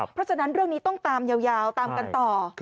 เพราะฉะนั้นเรื่องนี้ต้องตามยาวตามกันต่อ